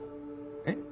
えっ？